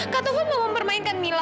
kak taufan mempermainkan mila